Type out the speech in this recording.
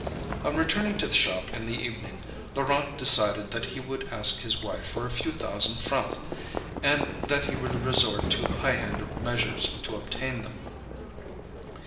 On returning to the shop in the evening, Laurent decided that he would ask his wife for a few thousand francs, and that he would resort to high handed measures to obtain them.